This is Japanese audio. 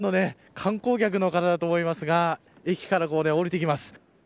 こちら、たくさんの観光客の方だと思いますが駅から降りてきています。